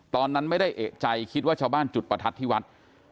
ตอนนั้นไม่ได้เอกใจคิดว่าชาวบ้านจุดประทัดที่วัด